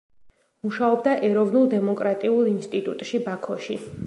მუშაობდა ეროვნულ დემოკრატიულ ინსტიტუტში, ბაქოში.